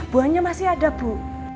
buannya masih ada bu